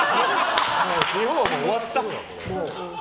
日本は終わった。